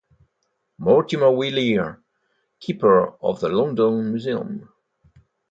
Mortimer Wheeler, keeper of the London Museum.